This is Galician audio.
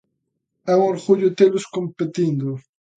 É un orgullo telos competindo.